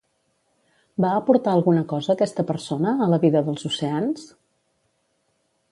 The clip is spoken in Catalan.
Va aportar alguna cosa aquesta persona a la vida dels oceans?